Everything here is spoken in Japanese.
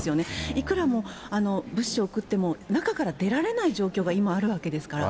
いくら物資を送っても、中から出られない状況が今、あるわけですから。